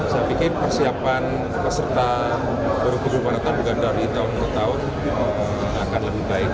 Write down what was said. saya pikir persiapan peserta buruk pada tahun bukan dari tahun ke tahun akan lebih baik